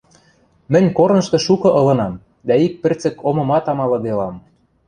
— Мӹнь корнышты шукы ылынам дӓ ик пӹрцӹк омымат амалыделам.